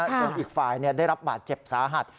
อีกฝ่ายได้รับบาดเจ็บสาหัส